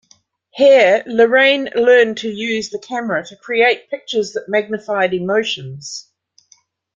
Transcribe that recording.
Here, Larrain learned to use the camera to create pictures that magnified emotions.